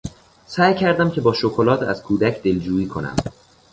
سعی کردم که با شکلات از کودک دلجویی کنم.